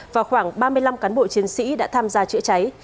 và khoảng ba mươi năm cán bộ chiến sĩ đã tham gia chữa cháy